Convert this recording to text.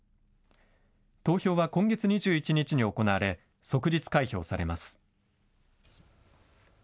投票は今月２１日に行われ即日開票されます。